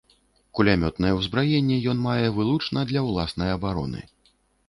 Кулямётнае ўзбраенне ён мае вылучна для ўласнай абароны.